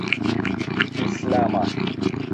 islama